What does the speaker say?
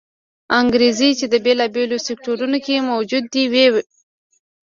انګېزې چې د بېلابېلو سکتورونو کې موجودې وې